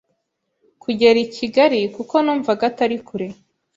kuger i kigali kuko numvaga atari kure